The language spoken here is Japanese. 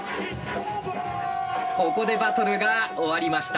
ここでバトルが終わりました。